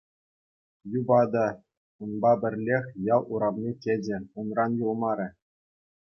Юпа та унпа пӗрлех ял урамне кӗчӗ, унран юлмарӗ.